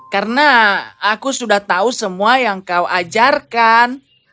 karena aku sudah tahu semua yang kau ajarkan